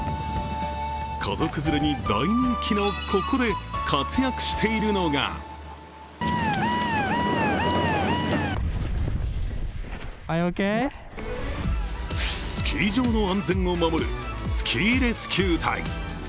家族連れに大人気のここで活躍しているのがスキー場の安全を守るスキーレスキュー隊。